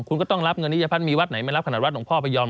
คุณก็ต้องรับเงินนิยพัฒน์มีวัดไหนไม่รับขนาดวัดหลวงพ่อพยอม